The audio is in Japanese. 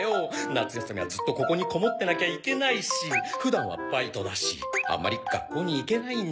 夏休みはずっとここにこもってなきゃいけないし普段はバイトだしあんまり学校に行けないんだよ。